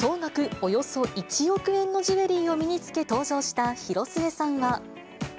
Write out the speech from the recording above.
およそ１億円のジュエリーを身につけ登場した、広末さんは。